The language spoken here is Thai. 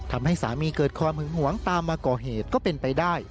ทำให้สามีเกิดความหึงหวงตามมาก่อเหตุก็เป็นไปได้